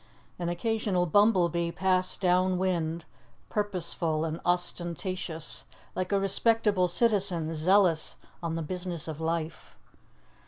An occasional bumble bee passed down wind, purposeful and ostentatious, like a respectable citizen zealous on the business of life.